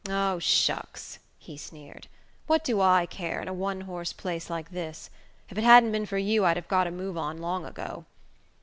"Oh, shucks!" he sneered. "What do I care, in a one horse place like this? If it hadn't been for you I'd have got a move on long ago."